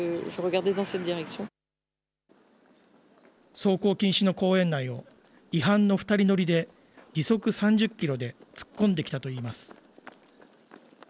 走行禁止の公園内を、違反の２人乗りで時速３０キロで突っ込んできたといいます。